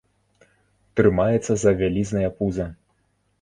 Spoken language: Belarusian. Трымаецца за вялізнае пуза.